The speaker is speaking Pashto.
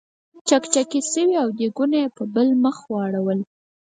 چکچکې شوې او دیګونه یې په بل مخ واړول.